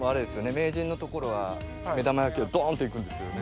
名人のところは目玉焼きをドンと行くんですよね。